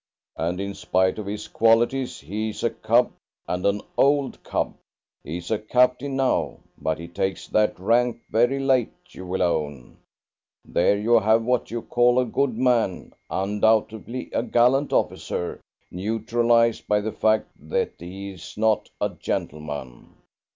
"And in spite of his qualities he's a cub, and an old cub. He is a captain now, but he takes that rank very late, you will own. There you have what you call a good man, undoubtedly a gallant officer, neutralized by the fact that he is not a gentleman.